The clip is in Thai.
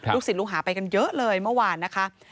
ศิลปลูกหาไปกันเยอะเลยเมื่อวานนะคะ